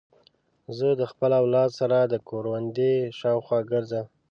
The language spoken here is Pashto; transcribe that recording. زه د خپل اولاد سره د کوروندې شاوخوا ګرځم.